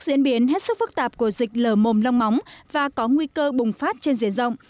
diễn biến hết sức phức tạp của dịch lở mồm long móng và có nguy cơ bùng phát trên diện rộng